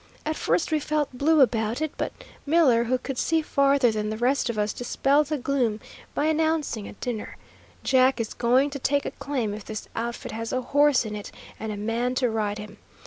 At first we felt blue about it, but Miller, who could see farther than the rest of us, dispelled the gloom by announcing at dinner, "Jack is going to take a claim if this outfit has a horse in it and a man to ride him.